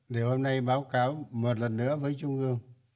để hôm nay báo cáo một lần nữa với trung ương